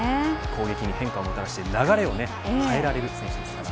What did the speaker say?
攻撃に変化をもたらして流れを変えられる選手です。